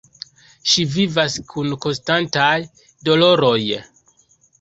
Ŝi vivas kun konstantaj doloroj.